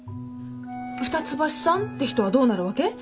二ツ橋さんって人はどうなるわけ？